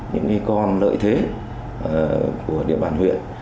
những cái con lợi thế của địa bàn huyện